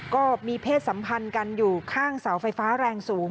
ก็มีเพศสัมพันธ์กันอยู่ข้างเสาไฟฟ้าแรงสูง